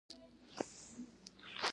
مومن خان راغلی دی او اوس بیرته ځي.